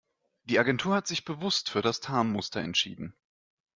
Die Agentur hat sich bewusst für das Tarnmuster entschieden.